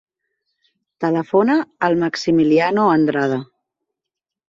Telefona al Maximiliano Andrada.